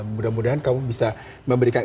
mudah mudahan kamu bisa memberikan